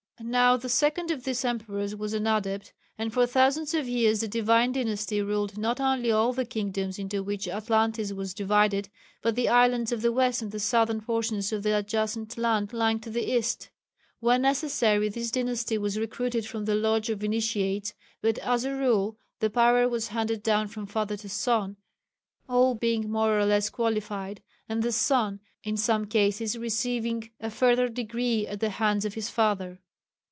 Now the second of these emperors was an Adept, and for thousands of years the Divine dynasty ruled not only all the kingdoms into which Atlantis was divided but the islands on the west and the southern portion of the adjacent land lying to the east. When necessary, this dynasty was recruited from the Lodge of Initiates, but as a rule the power was handed down from father to son, all being more or less qualified, and the son in some cases receiving a further degree at the hands of his father.